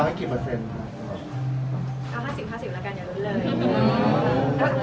ตอนนี้ก็ยังไม่มีคนถ่ายเหมือนกันค่ะ